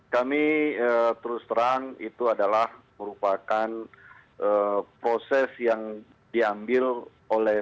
kami terus terang itu adalah merupakan proses yang diambil oleh